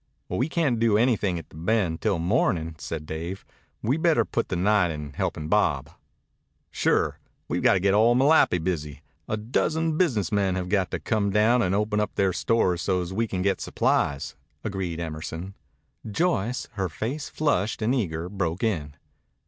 "We can't do anything at the Bend till morning," said Dave. "We'd better put the night in helping Bob." "Sure. We've got to get all Malapi busy. A dozen business men have got to come down and open up their stores so's we can get supplies," agreed Emerson. Joyce, her face flushed and eager, broke in.